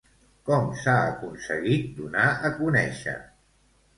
Com s'ha aconseguit donar a conèixer?